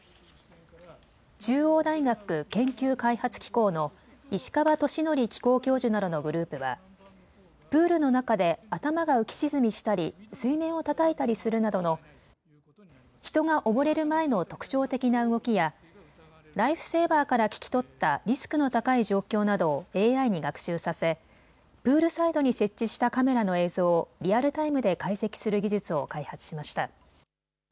中央大学研究開発機構の石川仁憲機構教授などのグループはプールの中で頭が浮き沈みしたり水面をたたいたりするなどの人が溺れる前の特徴的な動きやライフセーバーから聞き取ったリスクの高い状況などをＡＩに学習させプールサイドに設置したカメラの映像をリアルタイムで解析する技術を開発しました。